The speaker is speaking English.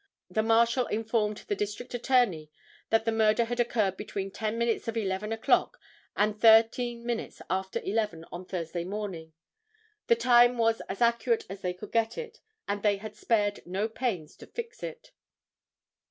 The Marshal informed the District Attorney that the murder had occurred between ten minutes of 11 o'clock and thirteen minutes after 11 on Thursday morning. The time was as accurate as they could get it, and they had spared no pains to fix it.